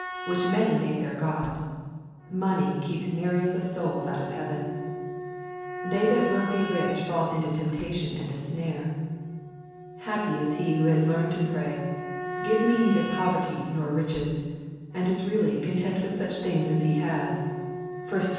which many make their god^ — nioney keeps myriads of souls out of heaYen 1 " They that will be rich fall into temptation and a snare." Happy is he who has learned to pray, " Give me neither poverty nor riches," and is really " content with such thing^as he has." (1 Tim.